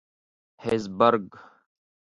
هېزبرګ.